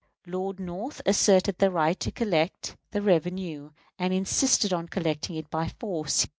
Lord North asserted the right to collect the revenue, and insisted on collecting it by force.